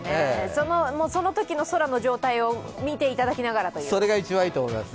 そのときの空の状態を見ていただきながらということになります。